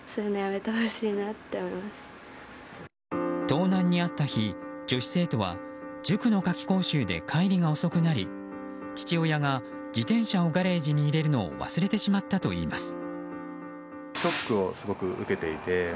盗難に遭った日、女子生徒は塾の夏期講習で帰りが遅くなり父親が自転車をガレージに入れるのを忘れてしまったといいます。